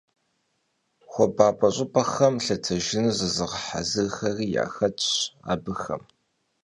Xuabap'e ş'ıp'exem lhetejjınu zızığehezıraxeri yaxetş abıxem.